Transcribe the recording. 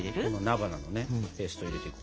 菜花のねペースト入れていく。